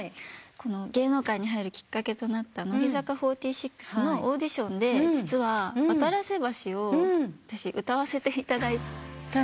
芸能界に入るきっかけとなった乃木坂４６のオーディションで実は『渡良瀬橋』を私歌わせていただいたんです。